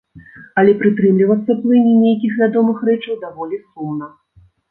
Але прытрымлівацца плыні нейкіх вядомых рэчаў даволі сумна.